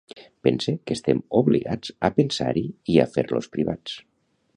Pense que estem obligats a pensar-hi i a fer-los privats.